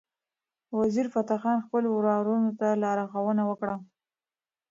وزیرفتح خان خپل ورورانو ته لارښوونه وکړه.